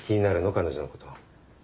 彼女のこと。